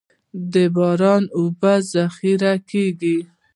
د باران اوبه ذخیره کیږي